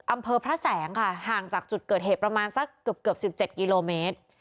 อำเภอพระแสงค่ะห่างจากจุดเกิดเหตุประมาณสักเกือบ๑๗กิโลเมตร